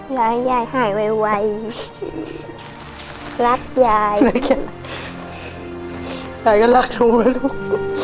และให้ยายหายไวรักยายยายก็รักหนูแล้วลูก